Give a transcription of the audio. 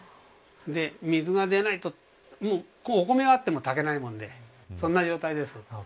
水が出ないとお米があってもたけないので、そんな状態です。